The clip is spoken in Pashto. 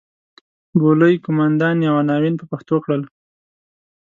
بولۍ قوماندې او عناوین په پښتو کړل.